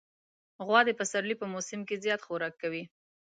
غوا د پسرلي په موسم کې زیات خوراک کوي.